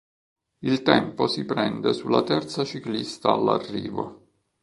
Il tempo si prende sulla terza ciclista all'arrivo.